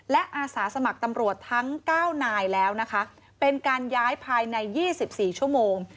และอาสาสมัครตำรวจทั้ง๙นายแล้วนะคะเป็นการย้ายภายใน๒๔ชั่วโมง